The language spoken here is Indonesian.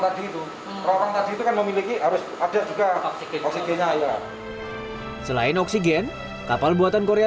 tadi itu orang orang tadi itu kan memiliki harus ada juga oksigen oksigennya ya selain oksigen kapal buatan korea